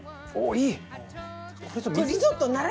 いい！